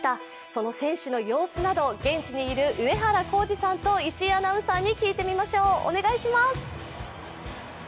その選手の様子など現地にいる上原浩二さんと石井アナウンサーに聞いてみましょう、お願いします。